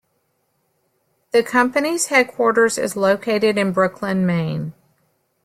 The company's headquarters is located in Brooklin, Maine.